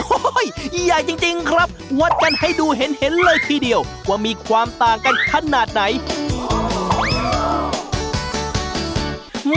โอ้โหใหญ่จริงครับวัดกันให้ดูเห็นเลยทีเดียวว่ามีความต่างกันขนาดไหน